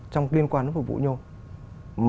trong liên quan đến phục vụ nhôm